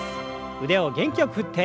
腕を元気よく振って。